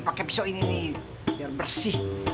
pakai pisau ini nih biar bersih